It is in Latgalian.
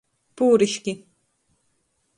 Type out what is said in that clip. Pūriški.